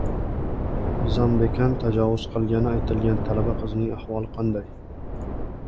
“Zamdekan” tajovuz qilgani aytilgan talaba qizning ahvoli qanday?